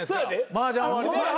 マージャン終わりで。